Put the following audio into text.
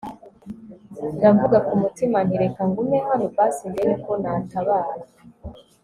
ndavuga kumutima nti reka ngume hano, basi ndebe ko natabara